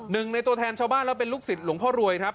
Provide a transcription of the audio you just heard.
หนึ่งในตัวแทนชาวบ้านแล้วเป็นลูกศิษย์หลวงพ่อรวยครับ